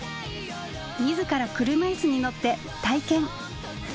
自ら車いすに乗って体験。